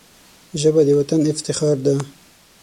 ژبه د وطن افتخار ده